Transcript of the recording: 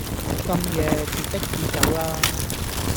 咁夜截的士走啦